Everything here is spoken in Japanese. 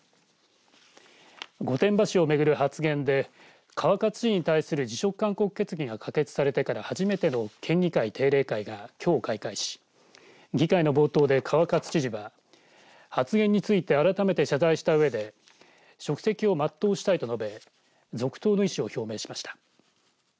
御殿場市をめぐる発言で川勝知事に対する辞職勧告決議が可決されてから初めての県議会定例会がきょう開会し議会の冒頭で川勝知事は発言について改めて謝罪したうえで職責をまっとうしたいと述べ続投の意思を表明しました。